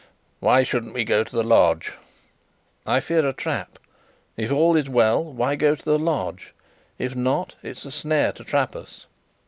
"Why shouldn't we go to the lodge?" "I fear a trap. If all is well, why go to the lodge? If not, it's a snare to trap us."